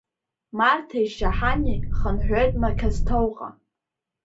Марҭеи Шьаҳани хынҳәуеит Мақьазҭоуҟа.